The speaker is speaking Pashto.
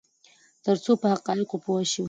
ترڅو په حقایقو پوه شو.